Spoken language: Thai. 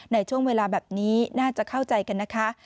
ในช่วงเวลาแบบนี้น่าจะเข้าใจกันนะคะ